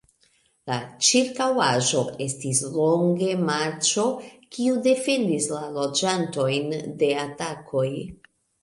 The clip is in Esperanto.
La ĉirkaŭaĵo estis longe marĉo, kiu defendis la loĝantojn de atakoj.